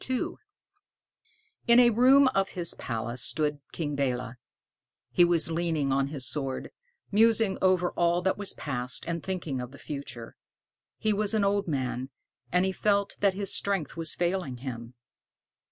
II In a room of his palace stood King Belé. He was leaning on his sword, musing over all that was past, and thinking of the future. He was an old man, and he felt that his strength was failing him.